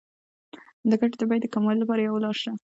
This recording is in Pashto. د ګټې د بیې د کموالي لپاره یوه لار شته